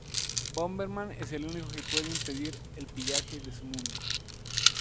Bomberman es el único que puede impedir el pillaje de su mundo.